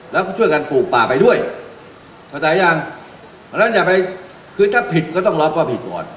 แล้วก็ช่วยกันปลูกป่าไปด้วยอันนั้นอย่าไปคือถ้าผิดก็ต้องรับว่าผิดก่อน